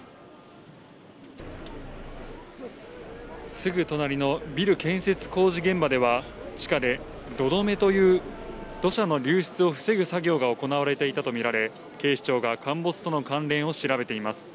すぐ隣のビル建設工事現場では、地下で土留めという土砂の流出を防ぐ作業が行われていたとみられ、警視庁が陥没との関連を調べています。